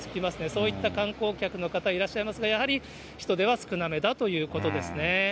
そういった観光客の方、いらっしゃいますが、やはり人出は少なめだということですね。